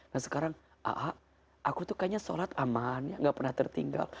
nah sekarang aku tuh kayaknya sholat aman ya gak pernah tertinggal